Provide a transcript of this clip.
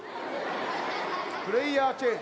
プレイヤーチェンジ。